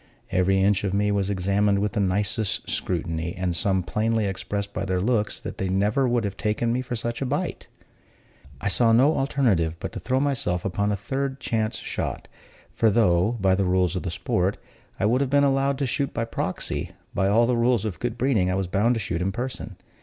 Every inch of me was examined with the nicest scrutiny; and some plainly expressed by their looks that they never would have taken me for such a bite. I saw no alternative but to throw myself upon a third chance shot; for though, by the rules of the sport, I would have been allowed to shoot by proxy, by all the rules of good breeding I was bound to shoot in person.